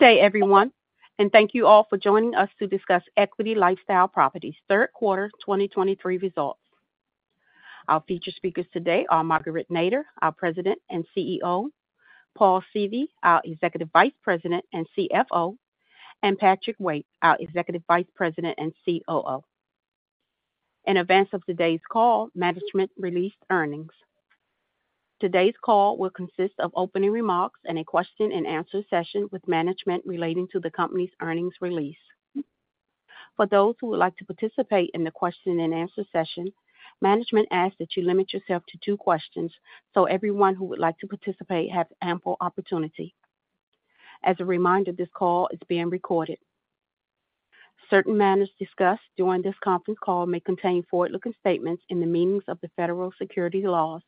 Good day, everyone, and thank you all for joining us to discuss Equity LifeStyle Properties' third quarter 2023 results. Our featured speakers today are Marguerite Nader, our President and CEO, Paul Seavey, our Executive Vice President and CFO, and Patrick Waite, our Executive Vice President and COO. In advance of today's call, management released earnings. Today's call will consist of opening remarks and a question-and-answer session with management relating to the company's earnings release. For those who would like to participate in the question-and-answer session, management asks that you limit yourself to two questions so everyone who would like to participate has ample opportunity. As a reminder, this call is being recorded. Certain matters discussed during this conference call may contain forward-looking statements in the meanings of the federal securities laws.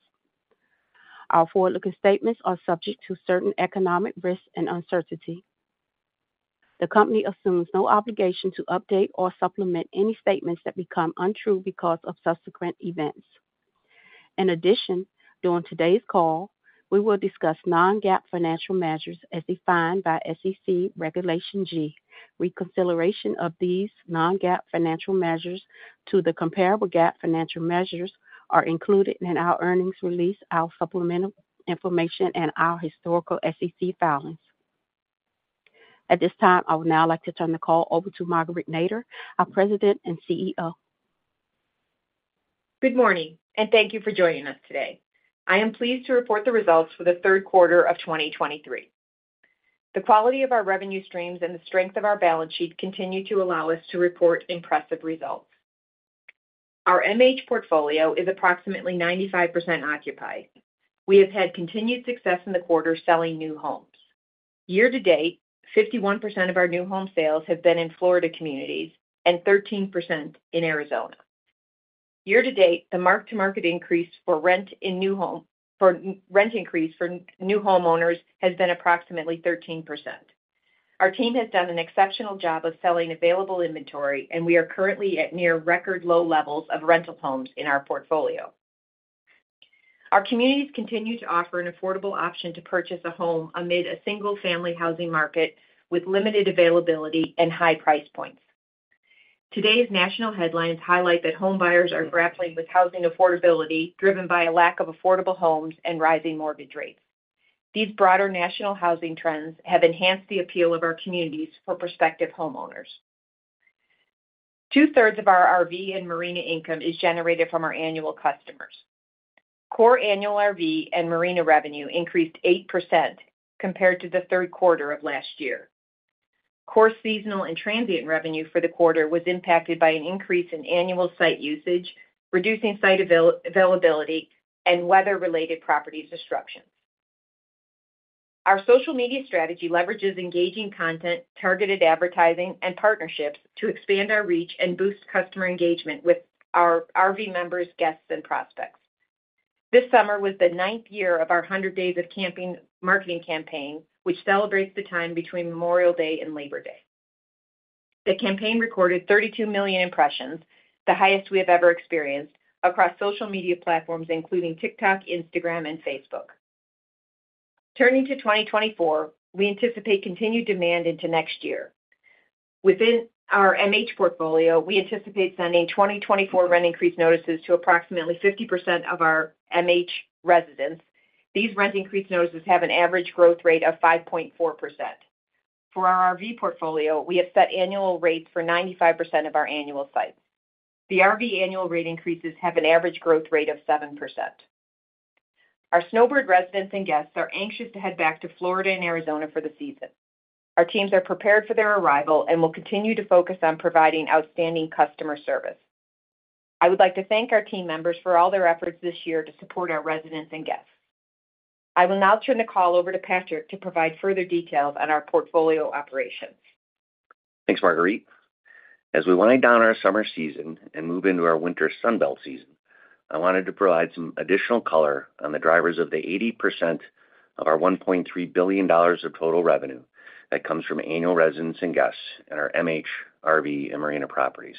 Our forward-looking statements are subject to certain economic risks and uncertainty. The company assumes no obligation to update or supplement any statements that become untrue because of subsequent events. In addition, during today's call, we will discuss non-GAAP financial measures as defined by SEC Regulation G Reconciliation of these non-GAAP financial measures to the comparable GAAP financial measures are included in our earnings release, our supplemental information, and our historical SEC filings. At this time, I would now like to turn the call over to Marguerite Nader, our President and CEO. Good morning, and thank you for joining us today. I am pleased to report the results for the third quarter of 2023. The quality of our revenue streams and the strength of our balance sheet continue to allow us to report impressive results. Our MH portfolio is approximately 95% occupied. We have had continued success in the quarter selling new homes. Year to date, 51% of our new home sales have been in Florida communities and 13% in Arizona. Year to date, the mark-to-market increase for rent increase for new homeowners has been approximately 13%. Our team has done an exceptional job of selling available inventory, and we are currently at near record low levels of rental homes in our portfolio. Our communities continue to offer an affordable option to purchase a home amid a single-family housing market with limited availability and high price points. Today's national headlines highlight that homebuyers are grappling with housing affordability, driven by a lack of affordable homes and rising mortgage rates. These broader national housing trends have enhanced the appeal of our communities for prospective homeowners. Two-thirds of our RV and marina income is generated from our annual customers. Core annual RV and marina revenue increased 8% compared to the third quarter of last year. Core seasonal and transient revenue for the quarter was impacted by an increase in annual site usage, reducing site availability and weather-related property disruptions. Our social media strategy leverages engaging content, targeted advertising, and partnerships to expand our reach and boost customer engagement with our RV members, guests, and prospects. This summer was the ninth year of our Hundred Days of Camping marketing campaign, which celebrates the time between Memorial Day and Labor Day. The campaign recorded 32 million impressions, the highest we have ever experienced, across social media platforms, including TikTok, Instagram, and Facebook. Turning to 2024, we anticipate continued demand into next year. Within our MH portfolio, we anticipate sending 2024 rent increase notices to approximately 50% of our MH residents. These rent increase notices have an average growth rate of 5.4%. For our RV portfolio, we have set annual rates for 95% of our annual sites. The RV annual rate increases have an average growth rate of 7%. Our snowbird residents and guests are anxious to head back to Florida and Arizona for the season. Our teams are prepared for their arrival and will continue to focus on providing outstanding customer service. I would like to thank our team members for all their efforts this year to support our residents and guests. I will now turn the call over to Patrick to provide further details on our portfolio operations. Thanks, Marguerite. As we wind down our summer season and move into our winter sunbelt season, I wanted to provide some additional color on the drivers of the 80% of our $1.3 billion of total revenue that comes from annual residents and guests in our MH, RV, and Marina properties.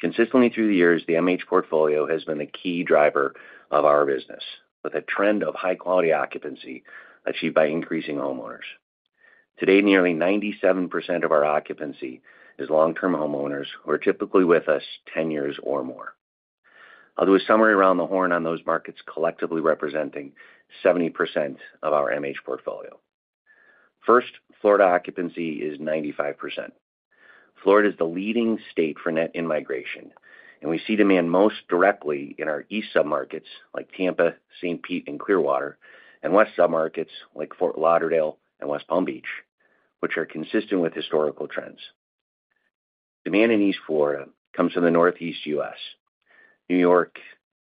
Consistently through the years, the MH portfolio has been a key driver of our business, with a trend of high-quality occupancy achieved by increasing homeowners. Today, nearly 97% of our occupancy is long-term homeowners who are typically with us 10 years or more. I'll do a summary around the horn on those markets, collectively representing 70% of our MH portfolio. First, Florida occupancy is 95%. Florida is the leading state for net in-migration, and we see demand most directly in our east submarkets like Tampa, St. Pete, and Clearwater, and west submarkets like Fort Lauderdale and West Palm Beach, which are consistent with historical trends. Demand in East Florida comes from the Northeast U.S., New York,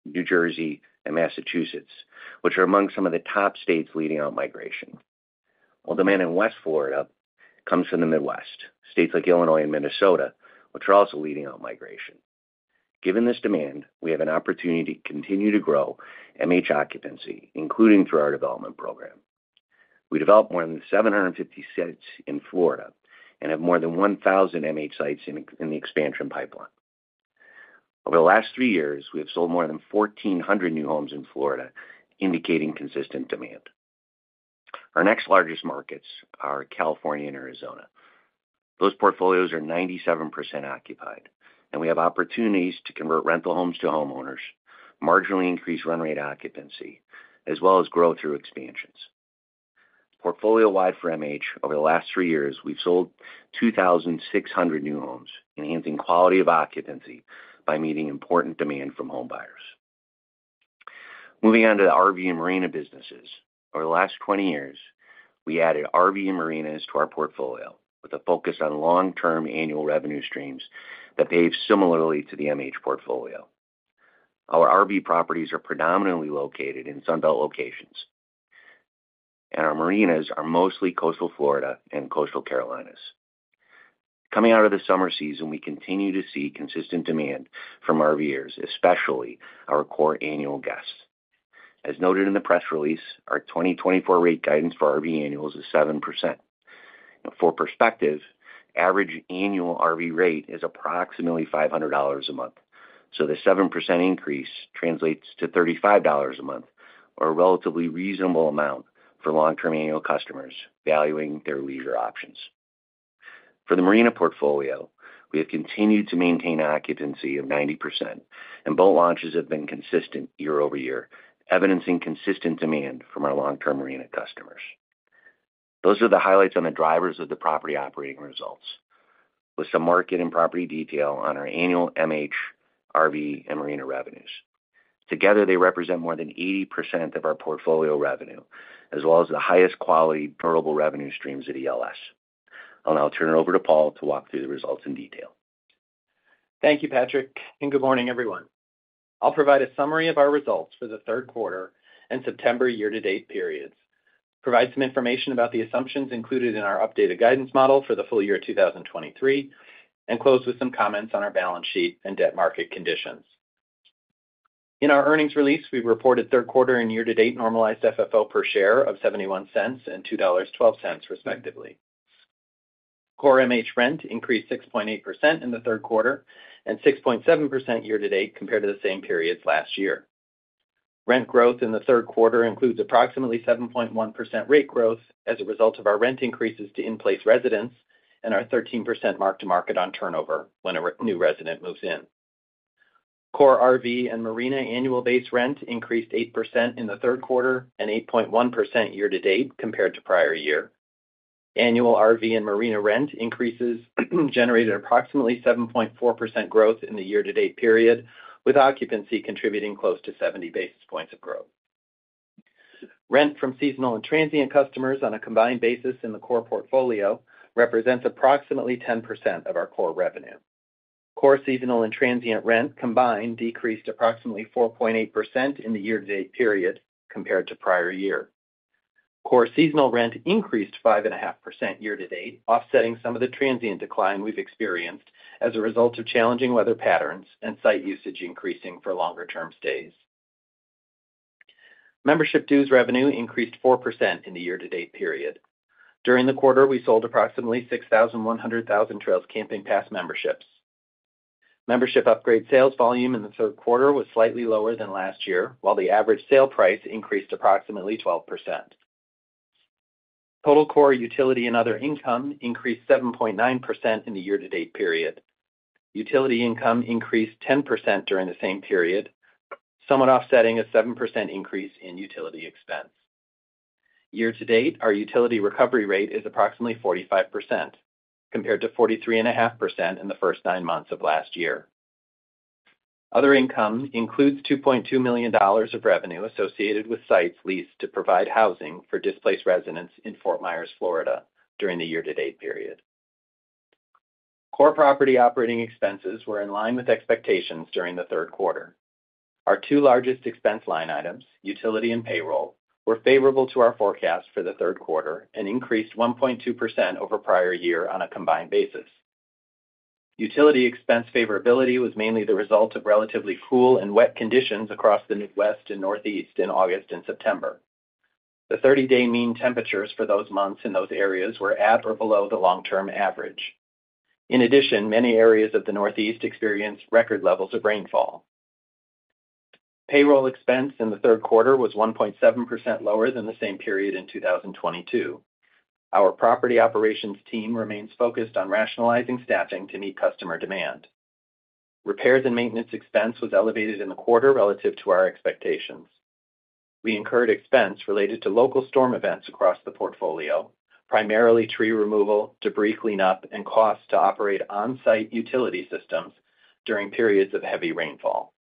New Jersey, and Massachusetts, which are among some of the top states leading out-migration, while demand in West Florida comes from the Midwest, states like Illinois and Minnesota, which are also leading out-migration. Given this demand, we have an opportunity to continue to grow MH occupancy, including through our development program. We developed more than 750 sites in Florida and have more than 1,000 MH sites in the expansion pipeline.... Over the last three years, we have sold more than 1,400 new homes in Florida, indicating consistent demand. Our next largest markets are California and Arizona. Those portfolios are 97% occupied, and we have opportunities to convert rental homes to homeowners, marginally increase run rate occupancy, as well as grow through expansions. Portfolio-wide for MH, over the last three years, we've sold 2,600 new homes, enhancing quality of occupancy by meeting important demand from home buyers. Moving on to the RV and marina businesses. Over the last 20 years, we added RV and marinas to our portfolio, with a focus on long-term annual revenue streams that behave similarly to the MH portfolio. Our RV properties are predominantly located in Sunbelt locations, and our marinas are mostly coastal Florida and coastal Carolinas. Coming out of the summer season, we continue to see consistent demand from RVers, especially our core annual guests. As noted in the press release, our 2024 rate guidance for RV annuals is 7%. Now, for perspective, average annual RV rate is approximately $500 a month. So the 7% increase translates to $35 a month, or a relatively reasonable amount for long-term annual customers valuing their leisure options. For the marina portfolio, we have continued to maintain occupancy of 90%, and boat launches have been consistent year-over-year, evidencing consistent demand from our long-term marina customers. Those are the highlights on the drivers of the property operating results, with some market and property detail on our annual MH, RV, and marina revenues. Together, they represent more than 80% of our portfolio revenue, as well as the highest quality durable revenue streams at ELS. I'll now turn it over to Paul to walk through the results in detail. Thank you, Patrick, and good morning, everyone. I'll provide a summary of our results for the third quarter and September year-to-date periods, provide some information about the assumptions included in our updated guidance model for the full year 2023, and close with some comments on our balance sheet and debt market conditions. In our earnings release, we reported third quarter and year-to-date normalized FFO per share of $0.71 and $2.12, respectively. Core MH rent increased 6.8% in the third quarter and 6.7% year to date compared to the same periods last year. Rent growth in the third quarter includes approximately 7.1% rate growth as a result of our rent increases to in-place residents and our 13% mark-to-market on turnover when a new resident moves in. Core RV and marina annual base rent increased 8% in the third quarter and 8.1% year-to-date compared to prior year. Annual RV and marina rent increases generated approximately 7.4% growth in the year-to-date period, with occupancy contributing close to 70 basis points of growth. Rent from seasonal and transient customers on a combined basis in the core portfolio represents approximately 10% of our core revenue. Core seasonal and transient rent combined decreased approximately 4.8% in the year-to-date period compared to prior year. Core seasonal rent increased 5.5% year-to-date, offsetting some of the transient decline we've experienced as a result of challenging weather patterns and site usage increasing for longer-term stays. Membership dues revenue increased 4% in the year-to-date period. During the quarter, we sold approximately 6,100 Thousand Trails Camping Pass memberships. Membership upgrade sales volume in the third quarter was slightly lower than last year, while the average sale price increased approximately 12%. Total core utility and other income increased 7.9% in the year-to-date period. Utility income increased 10% during the same period, somewhat offsetting a 7% increase in utility expense. Year-to-date, our utility recovery rate is approximately 45%, compared to 43.5% in the first nine months of last year. Other income includes $2.2 million of revenue associated with sites leased to provide housing for displaced residents in Fort Myers, Florida, during the year-to-date period. Core property operating expenses were in line with expectations during the third quarter. Our two largest expense line items, utility and payroll, were favorable to our forecast for the third quarter and increased 1.2% over prior year on a combined basis. Utility expense favorability was mainly the result of relatively cool and wet conditions across the Midwest and Northeast in August and September. The 30-day mean temperatures for those months in those areas were at or below the long-term average. In addition, many areas of the Northeast experienced record levels of rainfall. Payroll expense in the third quarter was 1.7% lower than the same period in 2022. Our property operations team remains focused on rationalizing staffing to meet customer demand. Repairs and maintenance expense was elevated in the quarter relative to our expectations. We incurred expense related to local storm events across the portfolio, primarily tree removal, debris cleanup, and costs to operate on-site utility systems during periods of heavy rainfall.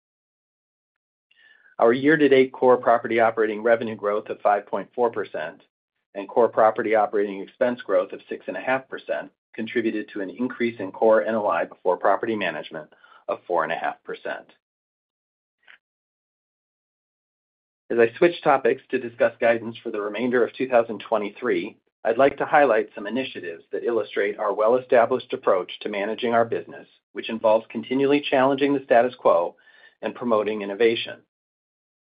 Our year-to-date core property operating revenue growth of 5.4% and core property operating expense growth of 6.5% contributed to an increase in core NOI before property management of 4.5%. As I switch topics to discuss guidance for the remainder of 2023, I'd like to highlight some initiatives that illustrate our well-established approach to managing our business, which involves continually challenging the status quo and promoting innovation....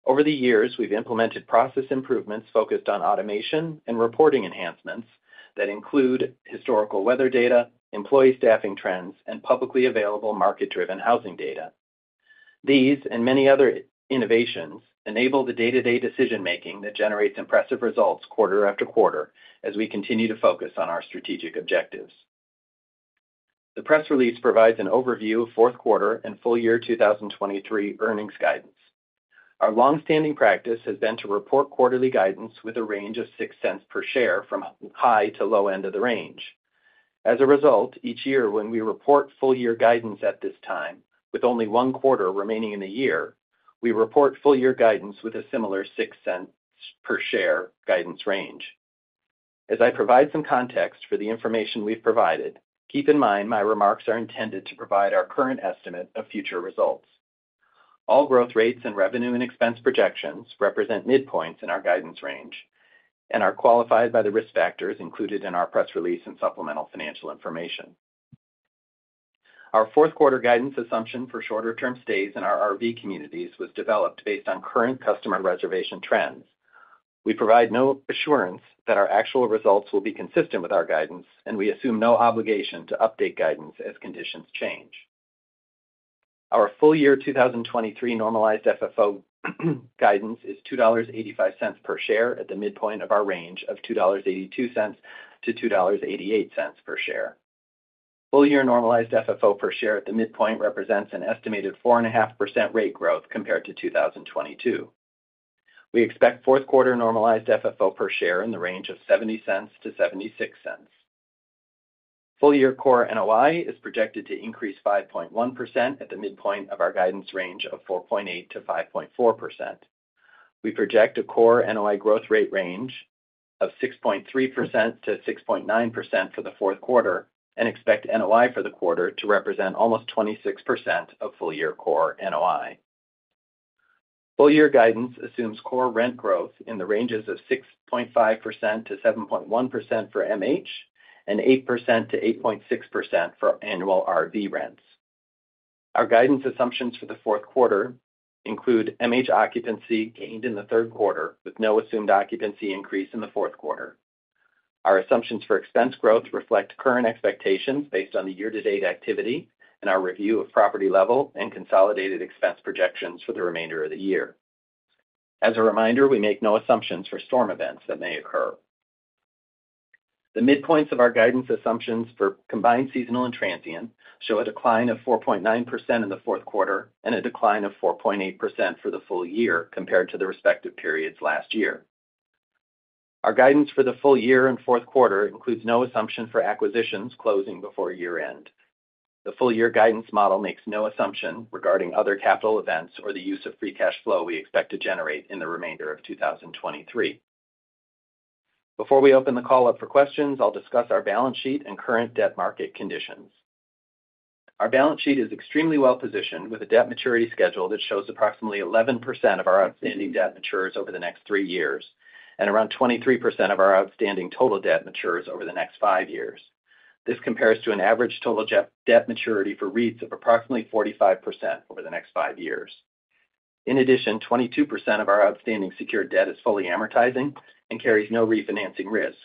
Over the years, we've implemented process improvements focused on automation and reporting enhancements that include historical weather data, employee staffing trends, and publicly available market-driven housing data. These and many other innovations enable the day-to-day decision-making that generates impressive results quarter after quarter, as we continue to focus on our strategic objectives. The press release provides an overview of fourth quarter and full year 2023 earnings guidance. Our long-standing practice has been to report quarterly guidance with a range of $0.06 per share from high to low end of the range. As a result, each year when we report full year guidance at this time, with only one quarter remaining in the year, we report full year guidance with a similar $0.06 per share guidance range. As I provide some context for the information we've provided, keep in mind my remarks are intended to provide our current estimate of future results. All growth rates and revenue and expense projections represent midpoints in our guidance range and are qualified by the risk factors included in our press release and supplemental financial information. Our fourth quarter guidance assumption for shorter-term stays in our RV communities was developed based on current customer reservation trends. We provide no assurance that our actual results will be consistent with our guidance, and we assume no obligation to update guidance as conditions change. Our full year 2023 normalized FFO guidance is $2.85 per share at the midpoint of our range of $2.82-$2.88 per share. Full year normalized FFO per share at the midpoint represents an estimated 4.5% rate growth compared to 2022. We expect fourth quarter normalized FFO per share in the range of $0.70-$0.76. Full year core NOI is projected to increase 5.1% at the midpoint of our guidance range of 4.8%-5.4%. We project a core NOI growth rate range of 6.3%-6.9% for the fourth quarter and expect NOI for the quarter to represent almost 26% of full year core NOI. Full year guidance assumes core rent growth in the ranges of 6.5%-7.1% for MH, and 8%-8.6% for annual RV rents. Our guidance assumptions for the fourth quarter include MH occupancy gained in the third quarter, with no assumed occupancy increase in the fourth quarter. Our assumptions for expense growth reflect current expectations based on the year-to-date activity and our review of property level and consolidated expense projections for the remainder of the year. As a reminder, we make no assumptions for storm events that may occur. The midpoints of our guidance assumptions for combined, seasonal, and transient show a decline of 4.9% in the fourth quarter and a decline of 4.8% for the full year, compared to the respective periods last year. Our guidance for the full year and fourth quarter includes no assumption for acquisitions closing before year-end. The full year guidance model makes no assumption regarding other capital events or the use of free cash flow we expect to generate in the remainder of 2023. Before we open the call up for questions, I'll discuss our balance sheet and current debt market conditions. Our balance sheet is extremely well-positioned, with a debt maturity schedule that shows approximately 11% of our outstanding debt matures over the next three years, and around 23% of our outstanding total debt matures over the next five years. This compares to an average total debt, debt maturity for REITs of approximately 45% over the next five years. In addition, 22% of our outstanding secured debt is fully amortizing and carries no refinancing risk,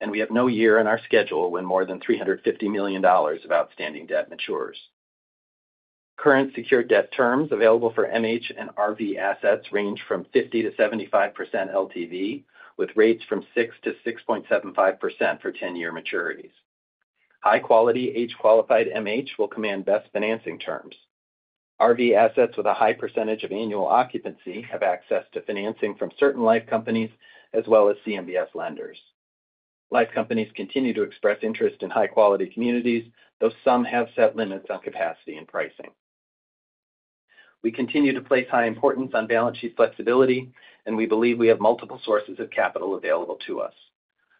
and we have no year in our schedule when more than $350 million of outstanding debt matures. Current secured debt terms available for MH and RV assets range from 50%-75% LTV, with rates from 6%-6.75% for 10-year maturities. High quality, H-qualified MH will command best financing terms. RV assets with a high percentage of annual occupancy have access to financing from certain life companies as well as CMBS lenders. Life companies continue to express interest in high-quality communities, though some have set limits on capacity and pricing. We continue to place high importance on balance sheet flexibility, and we believe we have multiple sources of capital available to us.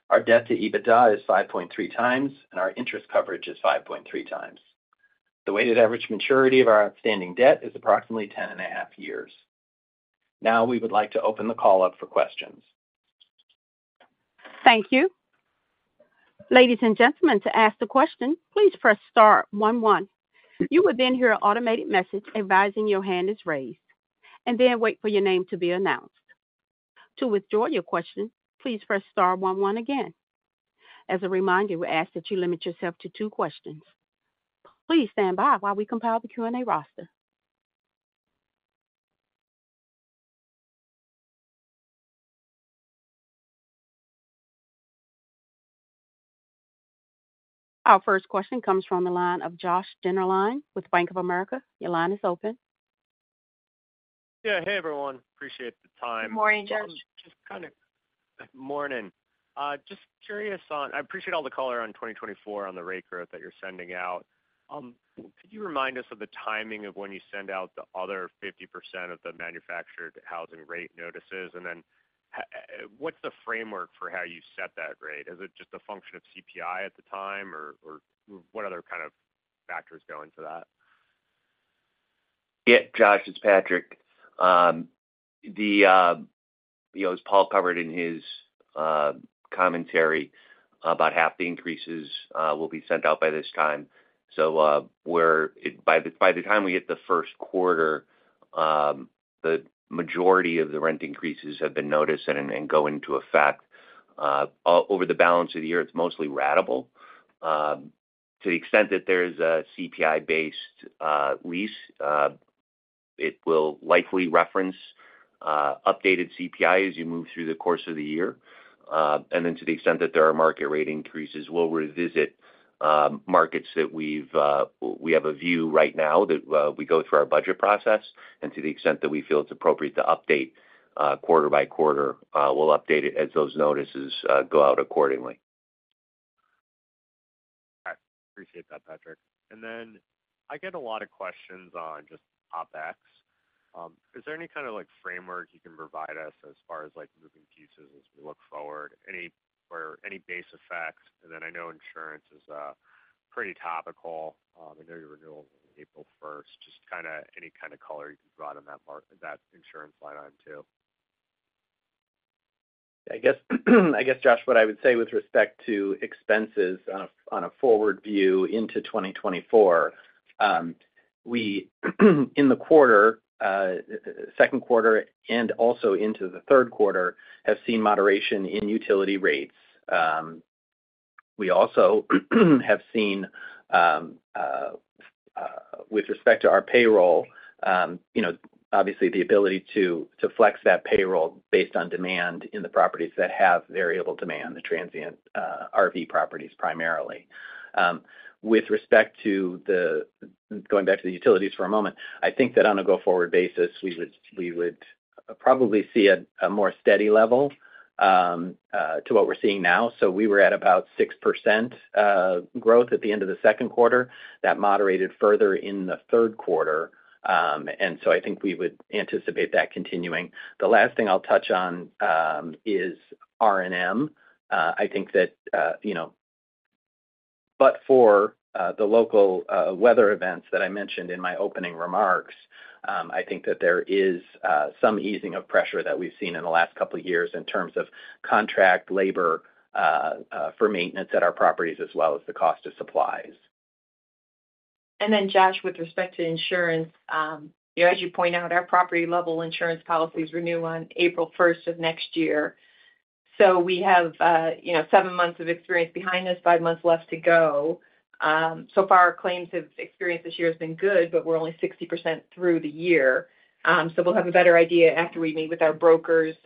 Our debt to EBITDA is 5.3 times, and our interest coverage is 5.3 times. The weighted average maturity of our outstanding debt is approximately 10.5 years. Now, we would like to open the call up for questions. Thank you. Ladies and gentlemen, to ask a question, please press star one, one. You will then hear an automated message advising your hand is raised, and then wait for your name to be announced. To withdraw your question, please press star one, one again. As a reminder, we ask that you limit yourself to two questions. Please stand by while we compile the Q&A roster. Our first question comes from the line of Josh Dennerlein with Bank of America. Your line is open. Yeah. Hey, everyone. Appreciate the time. Good morning, Josh. Morning. Just curious on—I appreciate all the color on 2024 on the rate growth that you're sending out. Could you remind us of the timing of when you send out the other 50% of the manufactured housing rate notices? And then, what's the framework for how you set that rate? Is it just a function of CPI at the time, or what other kind of factors go into that? Yeah, Josh, it's Patrick. You know, as Paul covered in his commentary, about half the increases will be sent out by this time. So, by the time we hit the first quarter, the majority of the rent increases have been noticed and go into effect. Over the balance of the year, it's mostly ratable. To the extent that there is a CPI-based lease, it will likely reference updated CPI as you move through the course of the year and then to the extent that there are market rate increases, we'll revisit markets that we have a view right now that we go through our budget process, and to the extent that we feel it's appropriate to update quarter by quarter, we'll update it as those notices go out accordingly. I appreciate that, Patrick. And then I get a lot of questions on just OpEx. Is there any kind of, like, framework you can provide us as far as, like, moving pieces as we look forward, any, or any base effects? And then I know insurance is pretty topical. I know your renewal is on April first. Just kind of any kind of color you can provide on that part, that insurance line item, too? I guess, Josh, what I would say with respect to expenses on a forward view into 2024, we in the second quarter and also into the third quarter have seen moderation in utility rates. We also have seen with respect to our payroll, you know, obviously, the ability to flex that payroll based on demand in the properties that have variable demand, the transient RV properties, primarily. With respect to going back to the utilities for a moment, I think that on a go-forward basis, we would probably see a more steady level to what we're seeing now. So we were at about 6% growth at the end of the second quarter. That moderated further in the third quarter. And so I think we would anticipate that continuing. The last thing I'll touch on is R&M. I think that, you know, but for the local weather events that I mentioned in my opening remarks, I think that there is some easing of pressure that we've seen in the last couple of years in terms of contract labor for maintenance at our properties, as well as the cost of supplies. And then, Josh, with respect to insurance, you know, as you point out, our property-level insurance policies renew on April first of next year. So we have, you know, seven months of experience behind us, five months left to go. So far, our claims have experience this year has been good, but we're only 60% through the year. So we'll have a better idea after we meet with our brokers,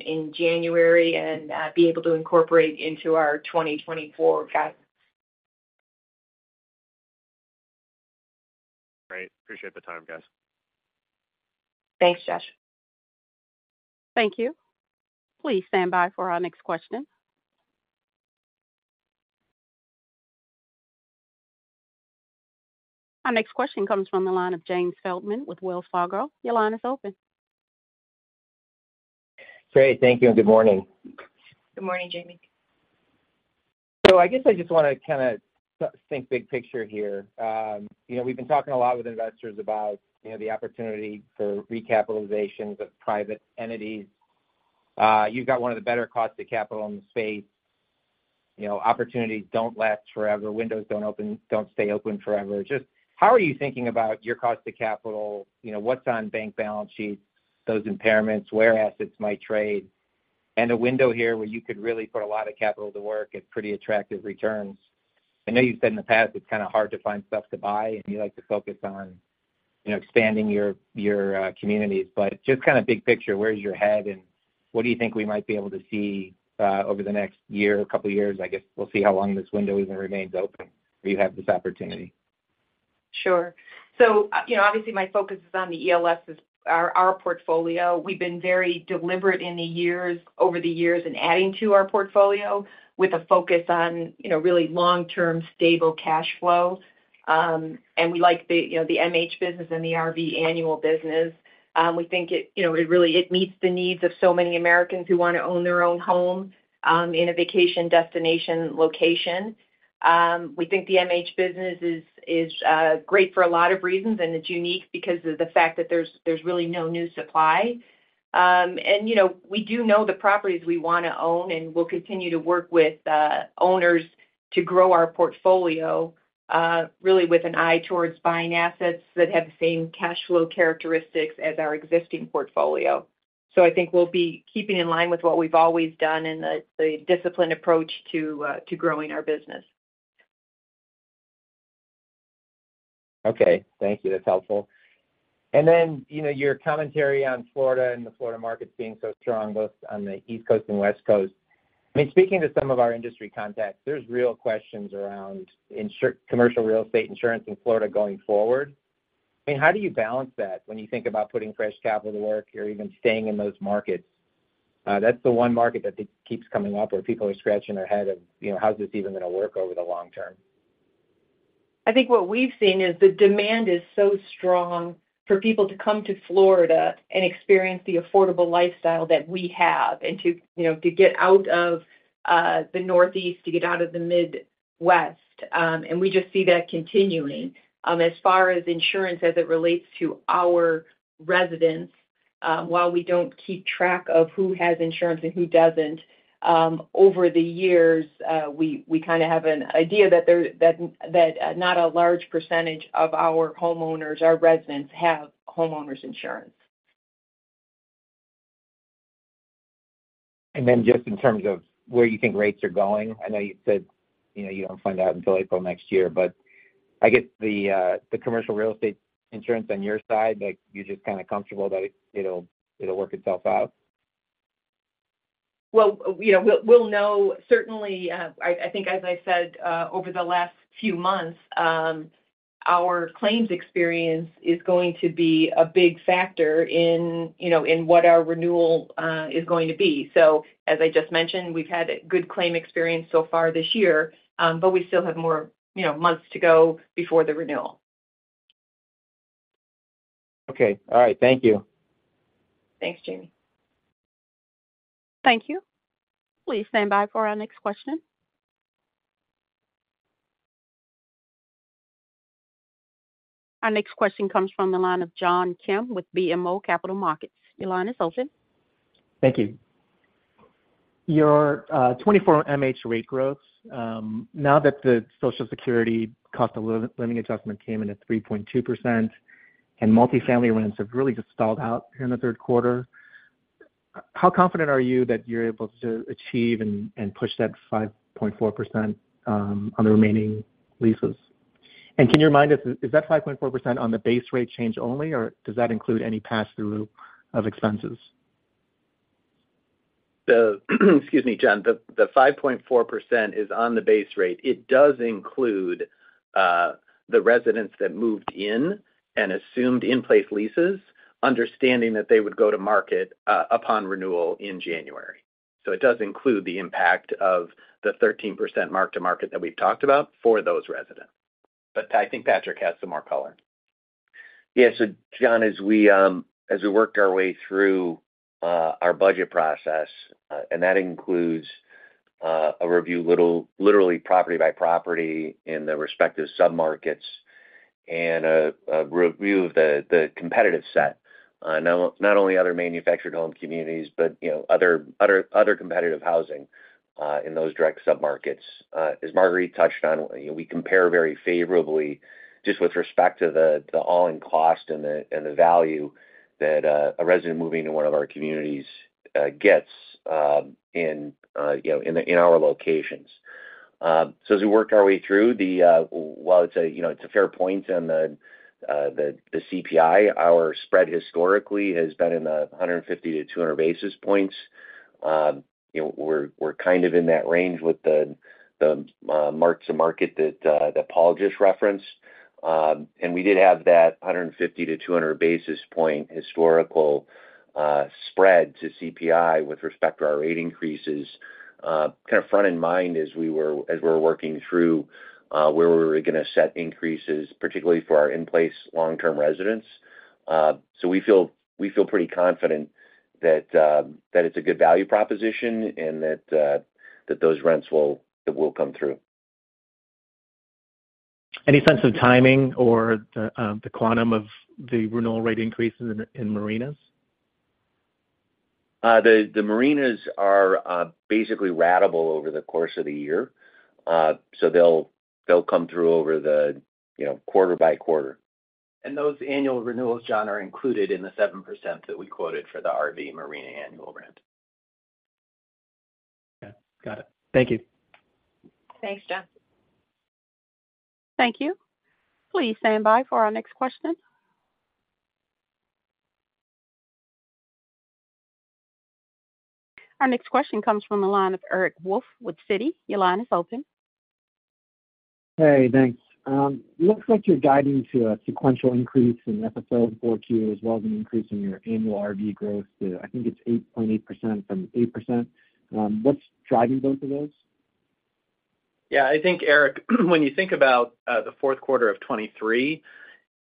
in January and, be able to incorporate into our 2024 guidance. Great. Appreciate the time, guys. Thanks, Josh. Thank you. Please stand by for our next question. Our next question comes from the line of Jamie Feldman with Wells Fargo. Your line is open. Great. Thank you, and good morning. Good morning, Jamie. So I guess I just wanna kind of think big picture here. You know, we've been talking a lot with investors about, you know, the opportunity for recapitalizations of private entities. You've got one of the better costs of capital in the space. You know, opportunities don't last forever. Windows don't open, don't stay open forever. Just how are you thinking about your cost of capital, you know, what's on bank balance sheets, those impairments, where assets might trade, and a window here where you could really put a lot of capital to work at pretty attractive returns? I know you've said in the past, it's kind of hard to find stuff to buy, and you like to focus on, you know, expanding your communities, but just kind of big picture, where's your head, and what do you think we might be able to see over the next year or couple of years? I guess we'll see how long this window even remains open, where you have this opportunity. Sure. So, you know, obviously, my focus is on the ELS, as our portfolio. We've been very deliberate over the years in adding to our portfolio with a focus on, you know, really long-term, stable cash flow. And we like the, you know, the MH business and the RV annual business. We think it, you know, it really, it meets the needs of so many Americans who want to own their own home, in a vacation destination location. We think the MH business is great for a lot of reasons, and it's unique because of the fact that there's really no new supply. You know, we do know the properties we wanna own, and we'll continue to work with owners to grow our portfolio, really with an eye towards buying assets that have the same cash flow characteristics as our existing portfolio. So I think we'll be keeping in line with what we've always done and the disciplined approach to growing our business. Okay. Thank you. That's helpful. And then, you know, your commentary on Florida and the Florida markets being so strong, both on the East Coast and West Coast. I mean, speaking to some of our industry contacts, there's real questions around insurance, commercial real estate insurance in Florida going forward. I mean, how do you balance that when you think about putting fresh capital to work or even staying in those markets? That's the one market that keeps coming up, where people are scratching their head of, you know, how is this even going to work over the long term? I think what we've seen is the demand is so strong for people to come to Florida and experience the affordable lifestyle that we have, and to, you know, to get out of, the Northeast, to get out of the Midwest. We just see that continuing. As far as insurance, as it relates to our residents, while we don't keep track of who has insurance and who doesn't, over the years, we kind of have an idea that there, that not a large percentage of our homeowners, our residents, have homeowners insurance. And then just in terms of where you think rates are going, I know you said, you know, you don't find out until April next year, but I guess the commercial real estate insurance on your side, like, you're just kind of comfortable that it'll work itself out? Well, you know, we'll know, certainly, I think, as I said, over the last few months, our claims experience is going to be a big factor in, you know, in what our renewal is going to be. So as I just mentioned, we've had a good claim experience so far this year, but we still have more, you know, months to go before the renewal. Okay. All right. Thank you. Thanks, Jamie. Thank you. Please stand by for our next question. Our next question comes from the line of John Kim with BMO Capital Markets. Your line is open. Thank you. Your 24 MH rate growth, now that the Social Security cost of living adjustment came in at 3.2%, and multifamily rents have really just stalled out here in the third quarter, how confident are you that you're able to achieve and push that 5.4%, on the remaining leases? And can you remind us, is that 5.4% on the base rate change only, or does that include any pass-through of expenses? Excuse me, John. The 5.4% is on the base rate. It does include the residents that moved in and assumed in-place leases, understanding that they would go to market upon renewal in January. So it does include the impact of the 13% mark-to-market that we've talked about for those residents. But I think Patrick has some more color. Yeah. So John, as we worked our way through our budget process, and that includes a review literally property by property in the respective submarkets and a review of the competitive set, not only other manufactured home communities, but, you know, other competitive housing in those direct submarkets. As Marguerite touched on, you know, we compare very favorably just with respect to the all-in cost and the value that a resident moving to one of our communities gets in our locations. So as we worked our way through, while it's a fair point on the CPI, our spread historically has been in the 150-200 basis points. You know, we're, we're kind of in that range with the, the, mark to market that, that Paul just referenced. And we did have that 150-200 basis point historical spread to CPI with respect to our rate increases, kind of front in mind as we were- as we were working through, where we were going to set increases, particularly for our in-place long-term residents. So we feel, we feel pretty confident that, that it's a good value proposition and that, that those rents will, it will come through. Any sense of timing or the quantum of the renewal rate increases in marinas? The marinas are basically ratable over the course of the year. So they'll come through over the, you know, quarter by quarter. Those annual renewals, John, are included in the 7% that we quoted for the RV marina annual rent. Okay, got it. Thank you. Thanks, John. Thank you. Please stand by for our next question. Our next question comes from the line of Eric Wolfe with Citi. Your line is open. Hey, thanks. Looks like you're guiding to a sequential increase in FFO for Q, as well as an increase in your annual RV growth to, I think it's 8.8% from 8%. What's driving both of those? Yeah, I think, Eric, when you think about the fourth quarter of 2023, you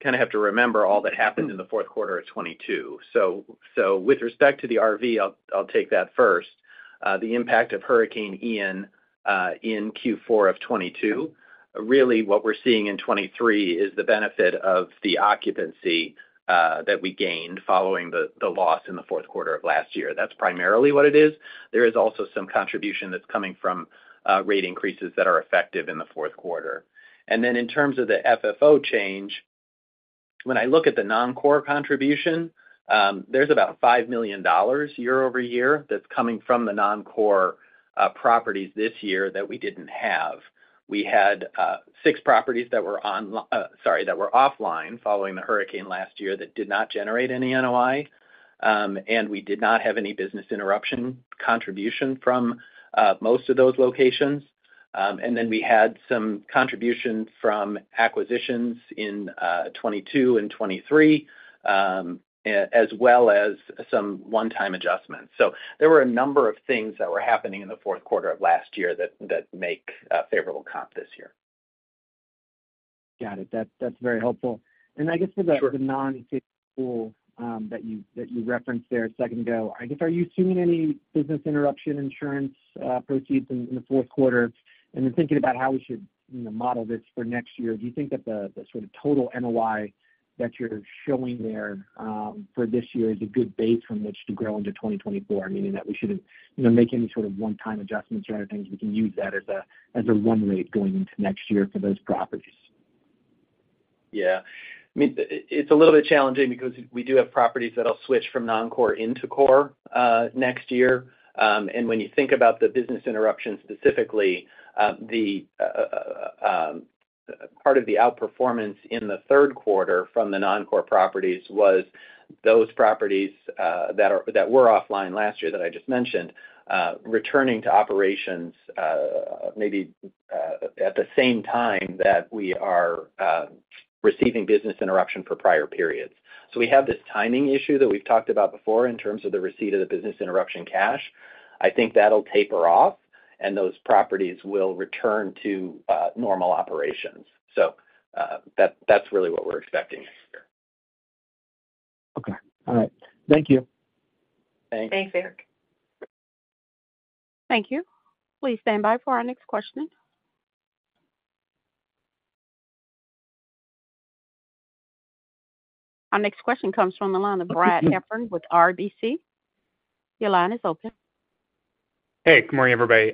kind of have to remember all that happened in the fourth quarter of 2022. So, so with respect to the RV, I'll, I'll take that first. The impact of Hurricane Ian in Q4 of 2022, really what we're seeing in 2023 is the benefit of the occupancy that we gained following the, the loss in the fourth quarter of last year. That's primarily what it is. There is also some contribution that's coming from rate increases that are effective in the fourth quarter. And then in terms of the FFO change, when I look at the non-core contribution, there's about $5 million year-over-year that's coming from the non-core properties this year that we didn't have. We had six properties that were offline following the hurricane last year that did not generate any NOI, and we did not have any business interruption contribution from most of those locations. Then we had some contribution from acquisitions in 2022 and 2023, as well as some one-time adjustments. There were a number of things that were happening in the fourth quarter of last year that make favorable comp this year.... Got it. That's, that's very helpful. And I guess for the- Sure. The non-typical that you, that you referenced there a second ago, I guess, are you seeing any business interruption insurance proceeds in the fourth quarter? And then thinking about how we should, you know, model this for next year, do you think that the sort of total NOI that you're showing there for this year is a good base from which to grow into 2024, meaning that we shouldn't, you know, make any sort of one-time adjustments or other things, we can use that as a run rate going into next year for those properties? Yeah. I mean, it's a little bit challenging because we do have properties that'll switch from non-core into core next year. And when you think about the business interruption specifically, the part of the outperformance in the third quarter from the non-core properties was those properties that were offline last year that I just mentioned returning to operations, maybe at the same time that we are receiving business interruption for prior periods. So we have this timing issue that we've talked about before in terms of the receipt of the business interruption cash. I think that'll taper off, and those properties will return to normal operations. So, that's really what we're expecting next year. Okay. All right. Thank you. Thanks. Thanks, Eric. Thank you. Please stand by for our next question. Our next question comes from the line of Brad Heffern with RBC. Your line is open. Hey, good morning, everybody.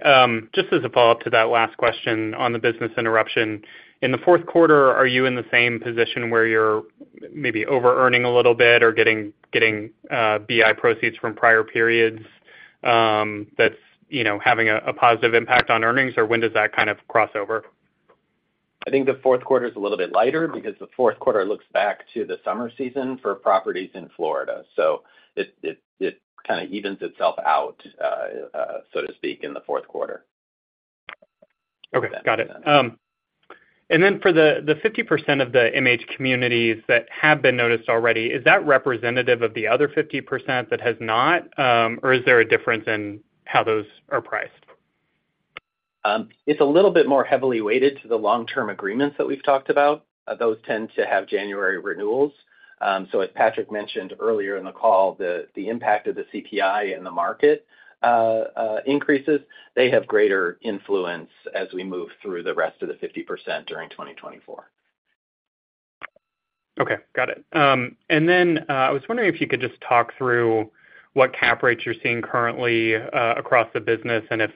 Just as a follow-up to that last question on the business interruption. In the fourth quarter, are you in the same position where you're maybe overearning a little bit or getting BI proceeds from prior periods, that's, you know, having a positive impact on earnings, or when does that kind of cross over? I think the fourth quarter is a little bit lighter because the fourth quarter looks back to the summer season for properties in Florida. So it kind of evens itself out, so to speak, in the fourth quarter. Okay, got it. And then for the 50% of the MH communities that have been noticed already, is that representative of the other 50% that has not, or is there a difference in how those are priced? It's a little bit more heavily weighted to the long-term agreements that we've talked about. Those tend to have January renewals. So as Patrick mentioned earlier in the call, the impact of the CPI in the market increases, they have greater influence as we move through the rest of the 50% during 2024. Okay, got it. And then, I was wondering if you could just talk through what cap rates you're seeing currently, across the business, and if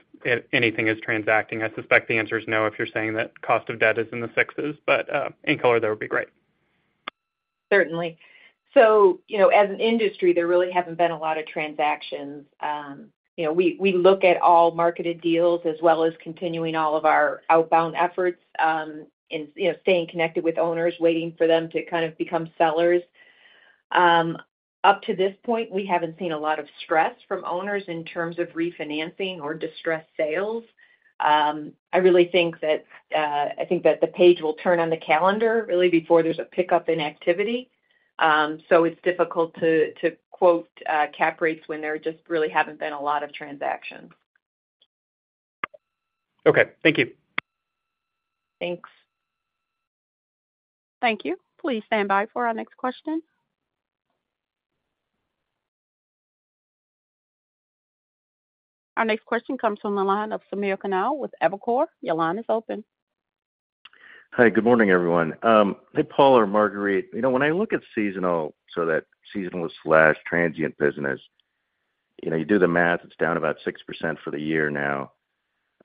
anything is transacting. I suspect the answer is no, if you're saying that cost of debt is in the sixes, but, any color there would be great. Certainly. So, you know, as an industry, there really haven't been a lot of transactions. You know, we look at all marketed deals as well as continuing all of our outbound efforts, and, you know, staying connected with owners, waiting for them to kind of become sellers. Up to this point, we haven't seen a lot of stress from owners in terms of refinancing or distressed sales. I really think that the page will turn on the calendar really before there's a pickup in activity. So it's difficult to quote cap rates when there just really haven't been a lot of transactions. Okay. Thank you. Thanks. Thank you. Please stand by for our next question. Our next question comes from the line of Samir Khanal with Evercore. Your line is open. Hi, good morning, everyone. Hey, Paul or Marguerite, you know, when I look at seasonal, so that seasonal slash transient business, you know, you do the math, it's down about 6% for the year now.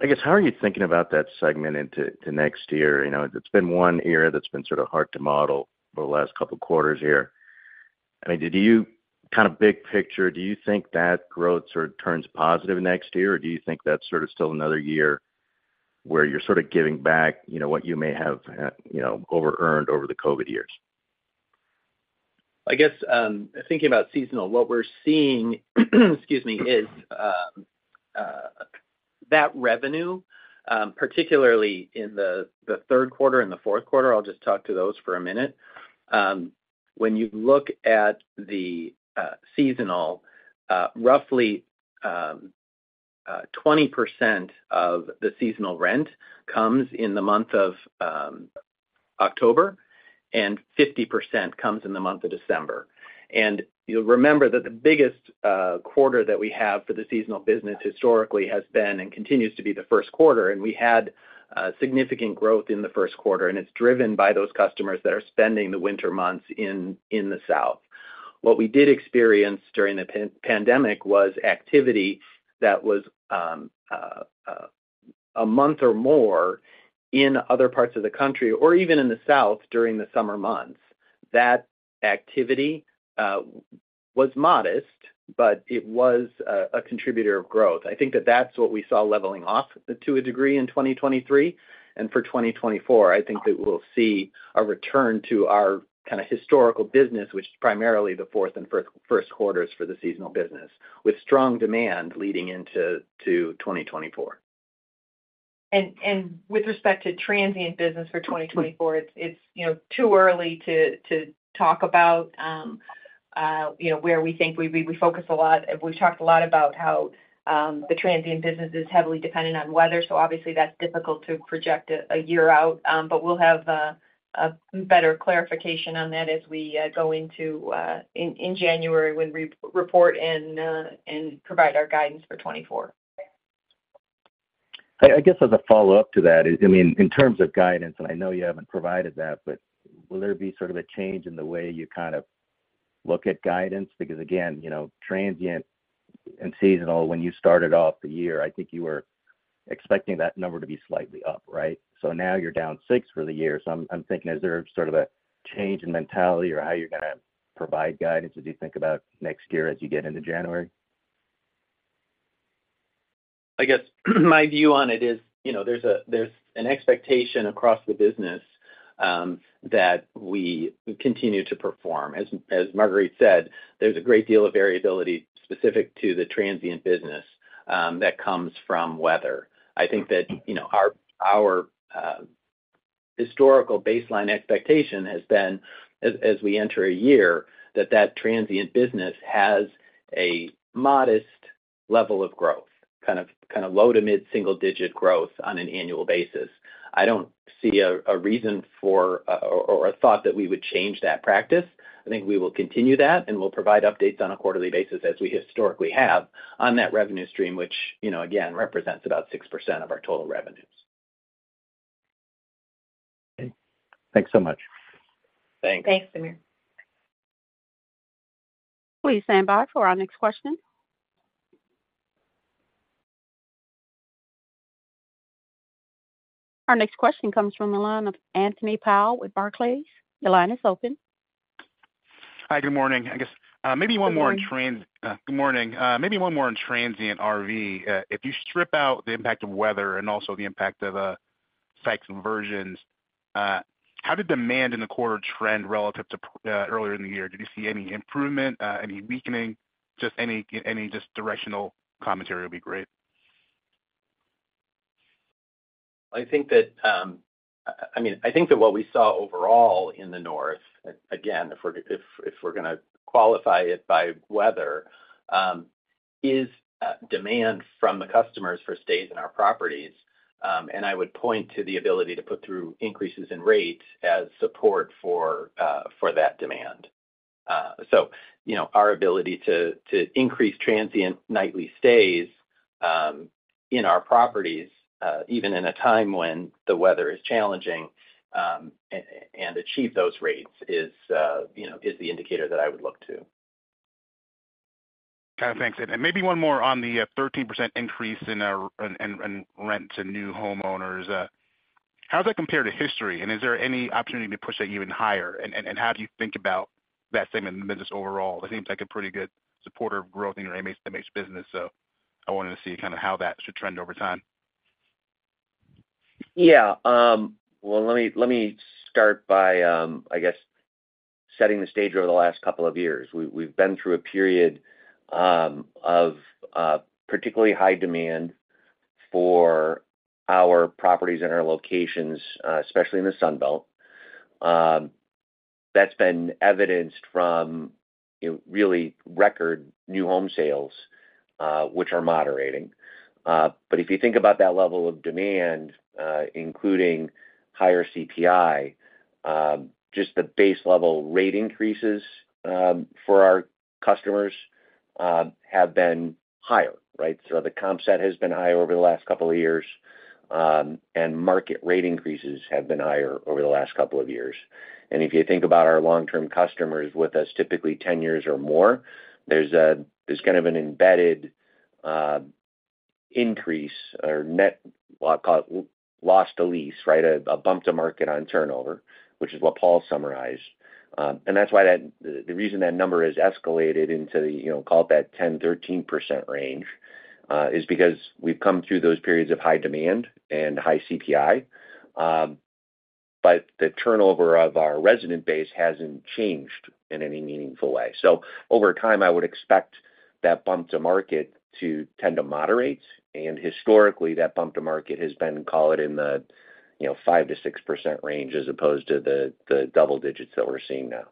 I guess, how are you thinking about that segment into to next year? You know, it's been one area that's been sort of hard to model for the last couple of quarters here. I mean, do you kind of big picture, do you think that growth sort of turns positive next year, or do you think that's sort of still another year where you're sort of giving back, you know, what you may have, you know, overearned over the COVID years? I guess, thinking about seasonal, what we're seeing, excuse me, is that revenue, particularly in the third quarter and the fourth quarter, I'll just talk to those for a minute. When you look at the seasonal, roughly 20% of the seasonal rent comes in the month of October, and 50% comes in the month of December. And you'll remember that the biggest quarter that we have for the seasonal business historically has been and continues to be the first quarter, and we had significant growth in the first quarter, and it's driven by those customers that are spending the winter months in the south. What we did experience during the pandemic was activity that was a month or more in other parts of the country or even in the south during the summer months. That activity was modest, but it was a contributor of growth. I think that that's what we saw leveling off to a degree in 2023. And for 2024, I think that we'll see a return to our kind of historical business, which is primarily the fourth and first quarters for the seasonal business, with strong demand leading into 2024. With respect to transient business for 2024, it's you know, too early to talk about you know where we think we focus a lot, and we've talked a lot about how the transient business is heavily dependent on weather. So obviously, that's difficult to project a year out. But we'll have a better clarification on that as we go into January, when we report and provide our guidance for 2024. I guess as a follow-up to that, I mean, in terms of guidance, and I know you haven't provided that, but will there be sort of a change in the way you kind of look at guidance? Because, again, you know, transient and seasonal, when you started off the year, I think you were expecting that number to be slightly up, right? So now you're down six for the year. So I'm thinking, is there sort of a change in mentality or how you're going to provide guidance as you think about next year as you get into January? I guess my view on it is, you know, there's an expectation across the business that we continue to perform. As Marguerite said, there's a great deal of variability specific to the transient business that comes from weather. I think that, you know, our historical baseline expectation has been, as we enter a year, that that transient business has a modest level of growth, kind of low to mid single digit growth on an annual basis. I don't see a reason for, or a thought that we would change that practice. I think we will continue that, and we'll provide updates on a quarterly basis, as we historically have on that revenue stream, which, you know, again, represents about 6% of our total revenues. Okay. Thanks so much. Thanks. Thanks, Samir. Please stand by for our next question. Our next question comes from the line of Anthony Powell with Barclays. Your line is open. Hi, good morning. I guess, maybe one more in trans- Good morning. Good morning. Maybe one more on transient RV. If you strip out the impact of weather and also the impact of site conversions, how did demand in the quarter trend relative to earlier in the year? Did you see any improvement, any weakening? Just any directional commentary would be great. I think that, I mean, I think that what we saw overall in the North, again, if we're going to qualify it by weather, is demand from the customers for stays in our properties. And I would point to the ability to put through increases in rates as support for that demand. So, you know, our ability to increase transient nightly stays in our properties, even in a time when the weather is challenging, and achieve those rates is, you know, the indicator that I would look to. Thanks. And maybe one more on the 13% increase in our rent to new homeowners. How does that compare to history? And is there any opportunity to push that even higher? And how do you think about that segment in the business overall? It seems like a pretty good supporter of growth in your MH business, so I wanted to see kind of how that should trend over time. Yeah, well, let me start by, I guess, setting the stage over the last couple of years. We've been through a period of particularly high demand for our properties and our locations, especially in the Sun Belt. That's been evidenced from, you know, really record new home sales, which are moderating. But if you think about that level of demand, including higher CPI, just the base level rate increases for our customers have been higher, right? So the comp set has been higher over the last couple of years, and market rate increases have been higher over the last couple of years. And if you think about our long-term customers with us, typically 10 years or more, there's kind of an embedded increase or net loss-to-lease, right? A bump to market on turnover, which is what Paul summarized. And that's why. The reason that number has escalated into the, you know, call it that 10-13% range, is because we've come through those periods of high demand and high CPI. But the turnover of our resident base hasn't changed in any meaningful way. So over time, I would expect that bump to market to tend to moderate. And historically, that bump to market has been, call it, in the, you know, 5-6% range, as opposed to the double digits that we're seeing now.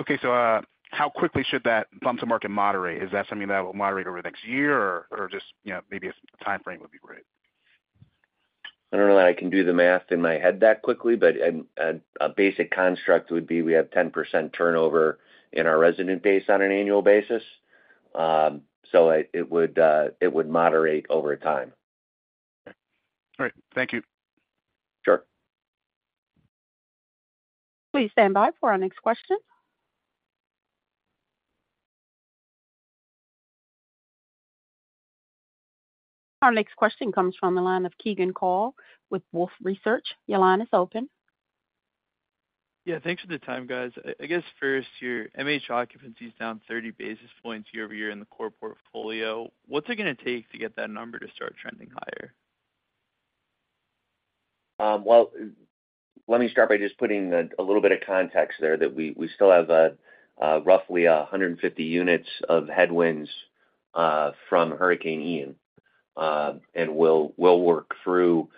Okay. So, how quickly should that bump to market moderate? Is that something that will moderate over the next year or just, you know, maybe a timeframe would be great? I don't know that I can do the math in my head that quickly, but a basic construct would be we have 10% turnover in our resident base on an annual basis. So it would moderate over time. Great. Thank you. Sure. Please stand by for our next question. Our next question comes from the line of Keegan Carl with Wolfe Research. Your line is open. Yeah, thanks for the time, guys. I guess first, your MH occupancy is down 30 basis points year-over-year in the core portfolio. What's it going to take to get that number to start trending higher? Well, let me start by just putting a little bit of context there, that we still have roughly 150 units of headwinds from Hurricane Ian, and we'll work through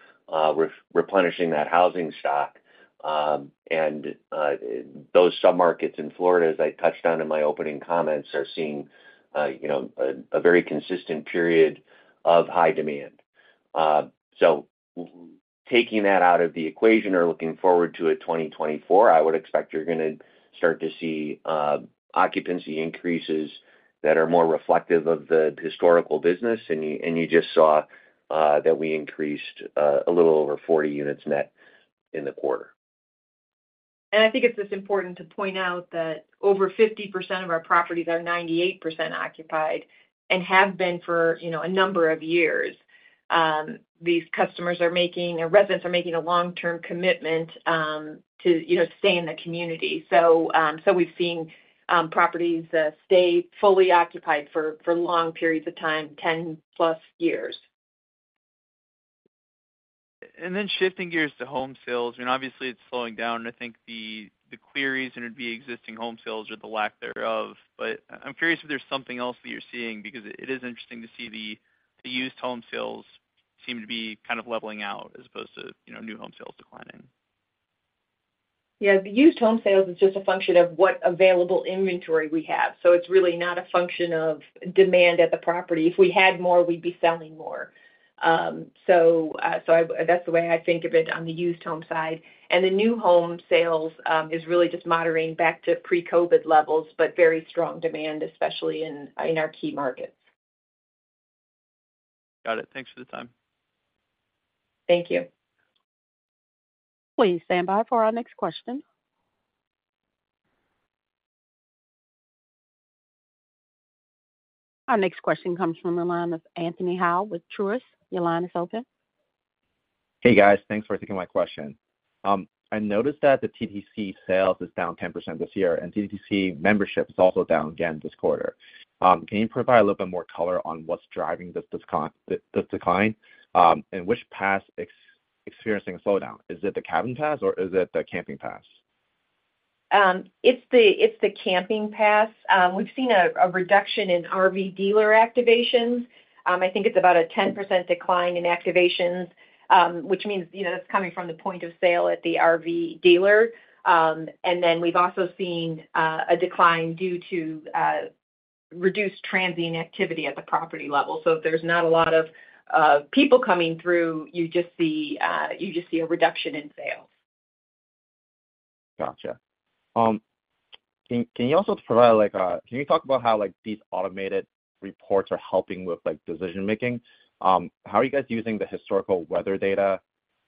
replenishing that housing stock. And those submarkets in Florida, as I touched on in my opening comments, are seeing you know a very consistent period of high demand. So taking that out of the equation or looking forward to 2024, I would expect you're gonna start to see occupancy increases that are more reflective of the historical business. And you just saw that we increased a little over 40 units net in the quarter. I think it's just important to point out that over 50% of our properties are 98% occupied and have been for, you know, a number of years. These customers are making... our residents are making a long-term commitment to, you know, stay in the community. So we've seen properties stay fully occupied for long periods of time, 10+ years. And then shifting gears to home sales, and obviously, it's slowing down, and I think the queries and it'd be existing home sales or the lack thereof. But I'm curious if there's something else that you're seeing, because it is interesting to see the used home sales seem to be kind of leveling out as opposed to, you know, new home sales declining. Yeah, the used home sales is just a function of what available inventory we have, so it's really not a function of demand at the property. If we had more, we'd be selling more. That's the way I think of it on the used home side. And the new home sales is really just moderating back to pre-COVID levels, but very strong demand, especially in our key markets. Got it. Thanks for the time. Thank you. Please stand by for our next question. Our next question comes from the line of Anthony Hau with Truist. Your line is open. Hey, guys. Thanks for taking my question. I noticed that the TTC sales is down 10% this year, and TTC membership is also down again this quarter. Can you provide a little bit more color on what's driving this decline? And which pass experiencing a slowdown? Is it the cabin pass or is it the Camping Pass? It's the Camping Passs. We've seen a reduction in RV dealer activations. I think it's about a 10% decline in activations, which means, you know, that's coming from the point of sale at the RV dealer. And then we've also seen a decline due to reduced transient activity at the property level. So if there's not a lot of people coming through, you just see a reduction in sales. Gotcha. Can you also provide, like, can you talk about how, like, these automated reports are helping with, like, decision-making? How are you guys using the historical weather data,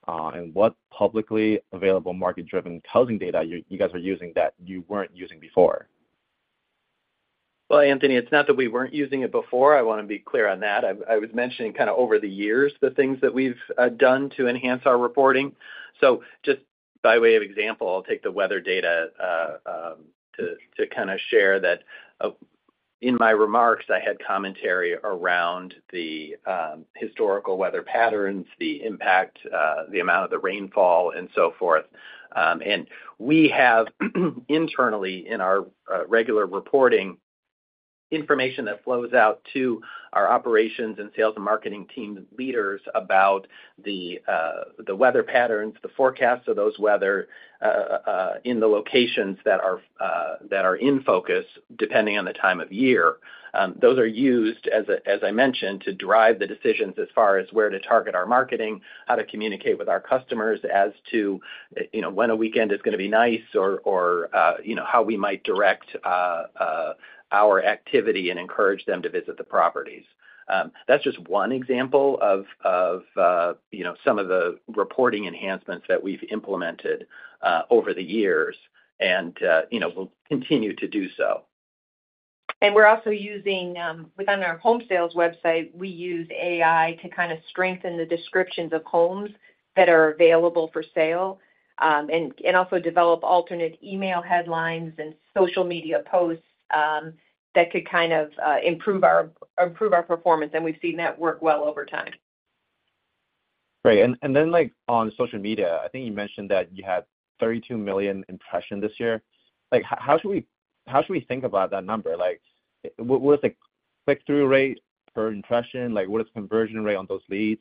and what publicly available market-driven housing data you guys are using that you weren't using before? Well, Anthony, it's not that we weren't using it before. I want to be clear on that. I was mentioning kind of over the years, the things that we've done to enhance our reporting. So just by way of example, I'll take the weather data to kinda share that, in my remarks, I had commentary around the historical weather patterns, the impact, the amount of the rainfall, and so forth. And we have, internally, in our regular reporting, information that flows out to our operations and sales and marketing team leaders about the weather patterns, the forecast of those weather in the locations that are in focus, depending on the time of year. Those are used, as I mentioned, to drive the decisions as far as where to target our marketing, how to communicate with our customers as to, you know, when a weekend is gonna be nice or, you know, how we might direct our activity and encourage them to visit the properties. That's just one example of, you know, some of the reporting enhancements that we've implemented over the years, and, you know, we'll continue to do so. We're also using, within our home sales website, we use AI to kind of strengthen the descriptions of homes that are available for sale, and also develop alternate email headlines and social media posts that could kind of improve our performance, and we've seen that work well over time. Great. And then, like, on social media, I think you mentioned that you had 32 million impressions this year. Like, how should we, how should we think about that number? Like, what is the click-through rate per impression? Like, what is the conversion rate on those leads?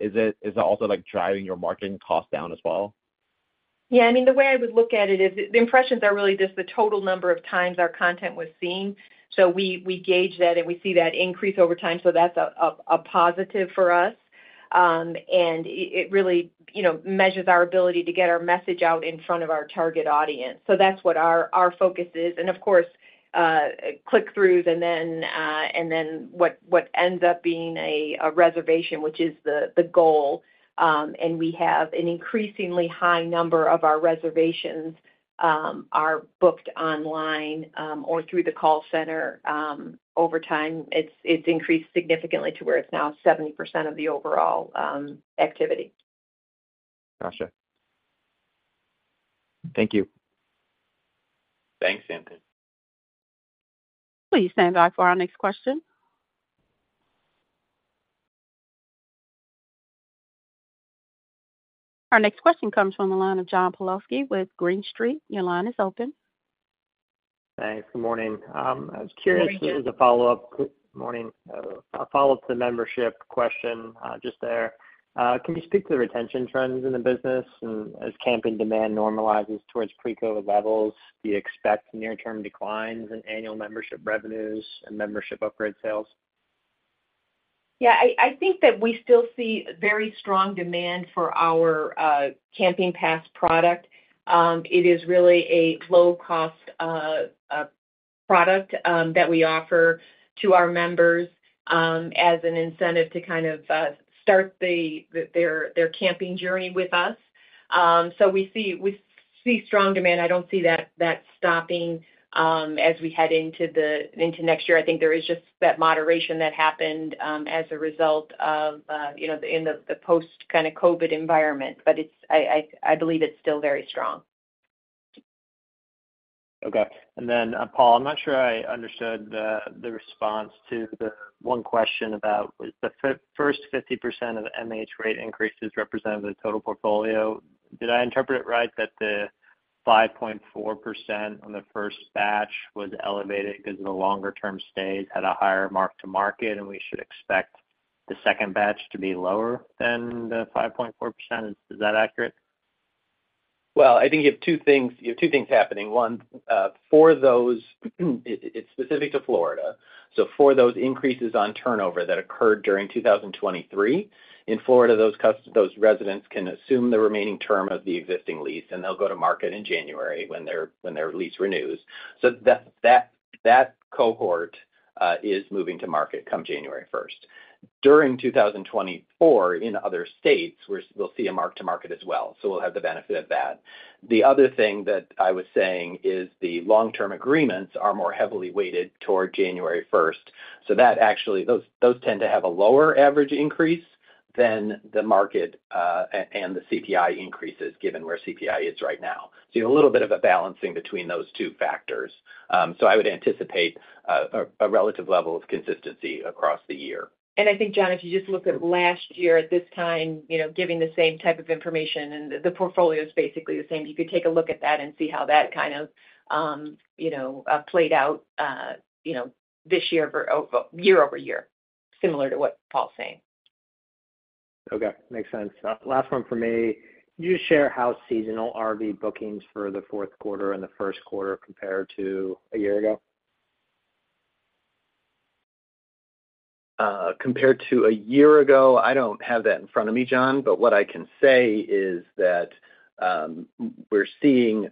Is it also, like, driving your marketing cost down as well? Yeah, I mean, the way I would look at it is the impressions are really just the total number of times our content was seen. So we gauge that, and we see that increase over time, so that's a positive for us. And it really, you know, measures our ability to get our message out in front of our target audience. So that's what our focus is, and of course, click-throughs and then what ends up being a reservation, which is the goal. And we have an increasingly high number of our reservations are booked online or through the call center. Over time, it's increased significantly to where it's now 70% of the overall activity. Gotcha. Thank you. Thanks, Anthony. Please stand by for our next question.... Our next question comes from the line of John Pawlowski with Green Street. Your line is open. Thanks. Good morning. I was curious as a follow-up- Good morning. Morning. A follow-up to the membership question, just there. Can you speak to the retention trends in the business? And as camping demand normalizes towards pre-COVID levels, do you expect near-term declines in annual membership revenues and membership upgrade sales? Yeah, I think that we still see very strong demand for our Camping Pass product. It is really a low-cost product that we offer to our members as an incentive to kind of start their camping journey with us. So we see, we see strong demand. I don't see that stopping as we head into next year. I think there is just that moderation that happened as a result of you know in the post kind of COVID environment. But it's I believe it's still very strong. Okay. And then, Paul, I'm not sure I understood the response to the one question about the first 50% of the MH rate increases represented the total portfolio. Did I interpret it right that the 5.4% on the first batch was elevated 'cause the longer-term stays had a higher mark to market, and we should expect the second batch to be lower than the 5.4%? Is that accurate? Well, I think you have two things, you have two things happening. One, for those, it's specific to Florida. So for those increases on turnover that occurred during 2023, in Florida, those residents can assume the remaining term of the existing lease, and they'll go to market in January when their lease renews. So that cohort is moving to market come January first. During 2024, in other states, we'll see a mark to market as well, so we'll have the benefit of that. The other thing that I was saying is the long-term agreements are more heavily weighted toward January first. So that actually, those tend to have a lower average increase than the market, and the CPI increases, given where CPI is right now. So you have a little bit of a balancing between those two factors. So I would anticipate a relative level of consistency across the year. I think, John, if you just look at last year at this time, you know, giving the same type of information, and the portfolio is basically the same, you could take a look at that and see how that kind of, you know, played out, you know, this year-over-year, similar to what Paul's saying. Okay, makes sense. Last one for me. Can you share how seasonal RV bookings for the fourth quarter and the first quarter compared to a year ago? Compared to a year ago, I don't have that in front of me, John, but what I can say is that, we're seeing,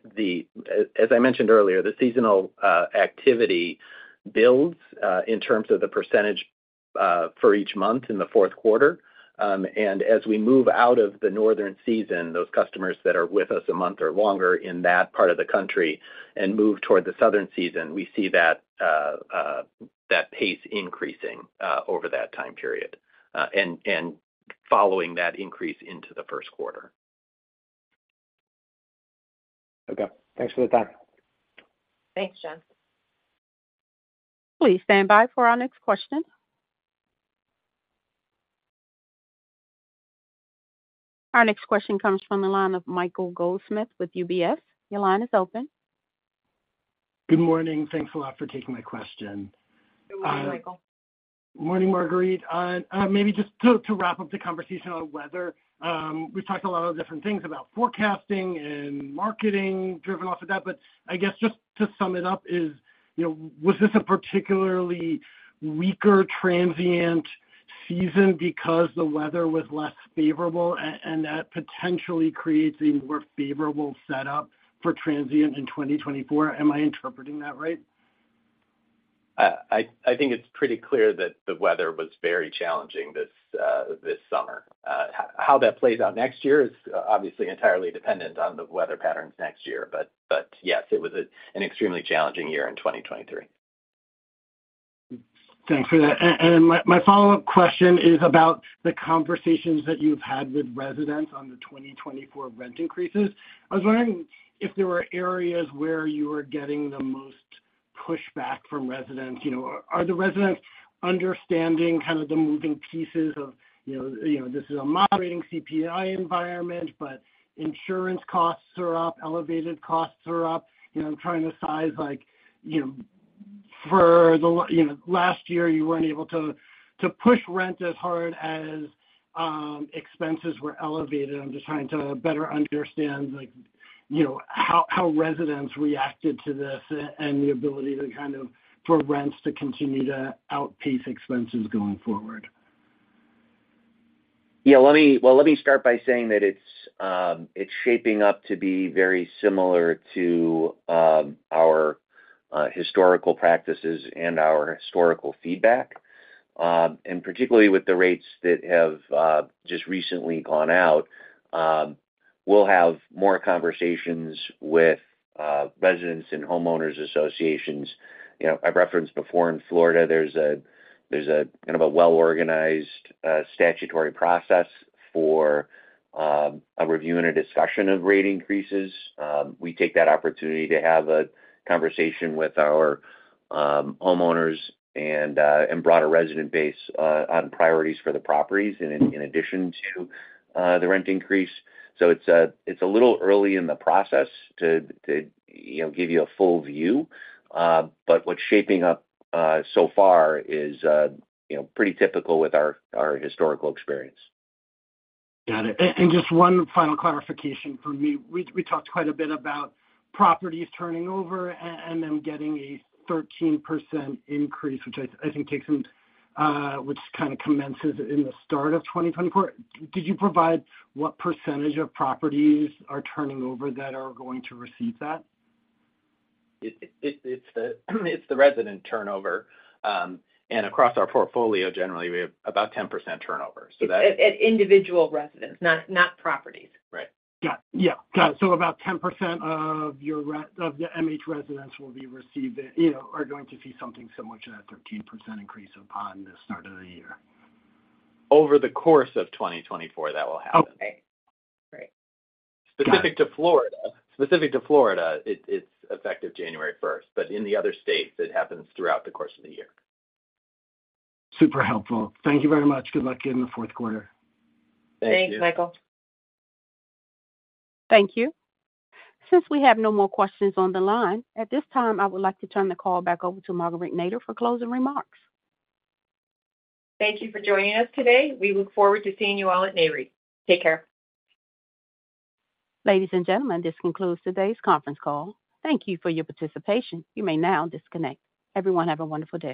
as I mentioned earlier, the seasonal activity builds, in terms of the percentage, for each month in the fourth quarter. And as we move out of the northern season, those customers that are with us a month or longer in that part of the country and move toward the southern season, we see that that pace increasing, over that time period, and following that increase into the first quarter. Okay. Thanks for the time. Thanks, John. Please stand by for our next question. Our next question comes from the line of Michael Goldsmith with UBS. Your line is open. Good morning. Thanks a lot for taking my question. Good morning, Michael. Morning, Marguerite. Maybe just to wrap up the conversation on weather. We've talked a lot of different things about forecasting and marketing driven off of that, but I guess just to sum it up is, you know, was this a particularly weaker transient season because the weather was less favorable, and that potentially creates a more favorable setup for transient in 2024? Am I interpreting that right? I think it's pretty clear that the weather was very challenging this summer. How that plays out next year is obviously entirely dependent on the weather patterns next year. But yes, it was an extremely challenging year in 2023. Thanks for that. And my follow-up question is about the conversations that you've had with residents on the 2024 rent increases. I was wondering if there were areas where you were getting the most pushback from residents. You know, are the residents understanding kind of the moving pieces of, you know, you know, this is a moderating CPI environment, but insurance costs are up, elevated costs are up. You know, I'm trying to size like, you know, for the last year you weren't able to push rent as hard as expenses were elevated. I'm just trying to better understand like, you know, how residents reacted to this and the ability to kind of, for rents to continue to outpace expenses going forward. Yeah, well, let me start by saying that it's shaping up to be very similar to our historical practices and our historical feedback. And particularly with the rates that have just recently gone out, we'll have more conversations with residents and homeowners associations. You know, I've referenced before in Florida, there's a kind of a well-organized statutory process for a review and a discussion of rate increases. We take that opportunity to have a conversation with our homeowners and broader resident base on priorities for the properties in addition to the rent increase. So it's a little early in the process to, you know, give you a full view, but what's shaping up so far is, you know, pretty typical with our historical experience. Got it. And just one final clarification for me. We talked quite a bit about properties turning over and then getting a 13% increase, which I think takes them, which kind of commences in the start of 2024. Did you provide what percentage of properties are turning over that are going to receive that? It's the resident turnover. And across our portfolio, generally, we have about 10% turnover, so that- at individual residents, not properties. Right. Got it. Yeah, got it. So about 10% of your MH residents will be receiving, you know, are going to see something similar to that 13% increase upon the start of the year. Over the course of 2024, that will happen. Okay. Great. Specific to Florida, it's effective January first, but in the other states, it happens throughout the course of the year. Super helpful. Thank you very much. Good luck in the fourth quarter. Thank you. Thanks, Michael. Thank you. Since we have no more questions on the line, at this time, I would like to turn the call back over to Marguerite Nader for closing remarks. Thank you for joining us today. We look forward to seeing you all at NAREIT. Take care. Ladies and gentlemen, this concludes today's conference call. Thank you for your participation. You may now disconnect. Everyone, have a wonderful day.